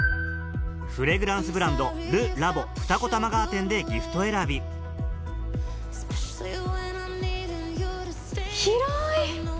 フレグランスブランド「ルラボ二子玉川店」でギフト選び広い！